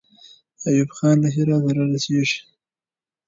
ایوب خان له هراته را رسېږي.